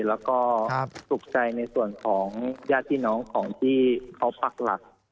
แล้วก็สุขใจในส่วนของญาติพี่น้องของที่เขาปักหลัก